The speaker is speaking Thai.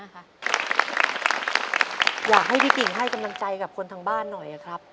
อยากให้พี่กิ่งให้กำลังใจกับคนทางบ้านหน่อยครับ